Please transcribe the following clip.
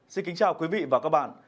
xin kính chào quý vị và các bạn